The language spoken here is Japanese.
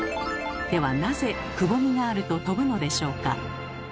ではなぜくぼみがあると飛ぶのでしょうか？